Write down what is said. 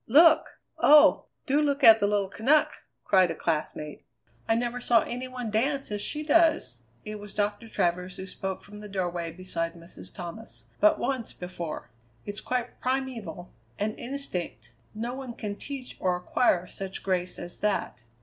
"Look! oh, do look at the little Canuck!" cried a classmate. "I never saw any one dance as she does" it was Doctor Travers who spoke from the doorway beside Mrs. Thomas "but once before. It's quite primeval, an instinct. No one can teach or acquire such grace as that."